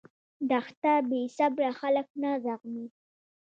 دښته بېصبره خلک نه زغمي.